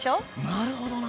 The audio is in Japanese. なるほどな！